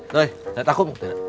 doi datang aku